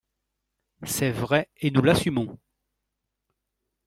C’est vrai, et nous l’assumons